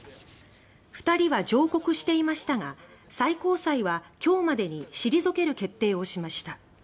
２人は上告していましたが最高裁は今日までに退ける決定をしました。